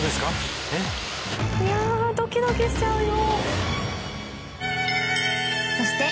いやあドキドキしちゃうよ。